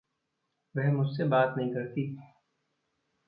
वह मुझसे बात नहीं करती।